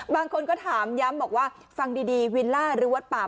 บางคนก็ถามย้ำบอกว่าฟังดีวิลล่าหรือวัดป่า